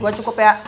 dua cukup ya